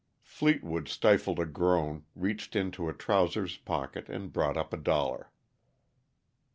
Fleetwood stifled a groan, reached into a trousers pocket, and brought up a dollar.